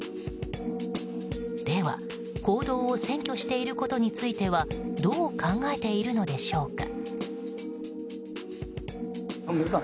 では、公道を占拠していることについてはどう考えているのでしょうか。